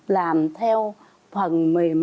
làm theo phần mềm